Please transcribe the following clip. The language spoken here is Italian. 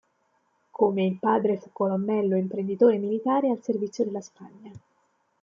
Come il padre fu colonnello e imprenditore militare al servizio della Spagna.